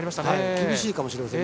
厳しいかもしれません。